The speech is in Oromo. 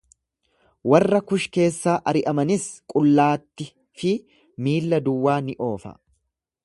Warra Kuush keessaa ari'amanis qullaatti fi miilla duwwaa ni oofa.